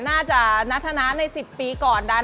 น่าจะนัทธนาใน๑๐ปีก่อนได้